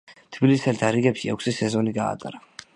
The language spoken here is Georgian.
თბილისელთა რიგებში ექვსი სეზონი გაატარა.